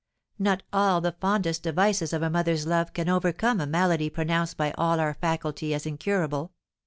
Not all the fondest devices of a mother's love can overcome a malady pronounced by all our faculty as incurable.